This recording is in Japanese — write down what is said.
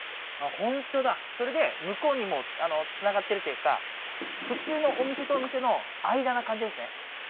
ホントだそれで向こうにもつながってるっていうか普通のお店とお店の間な感じですね